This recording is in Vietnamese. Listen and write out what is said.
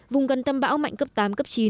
vùng gần tâm bão mạnh cấp tám cấp chín